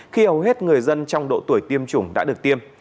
khi hầu hết người dân trong độ tuổi tiêm chủng đã được tiêm